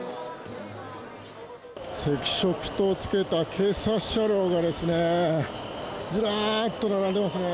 赤色灯をつけた警察車両がずらっと並んでますね。